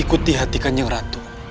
ikuti hati kanjeng ratu